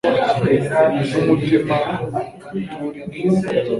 n'umutima uturike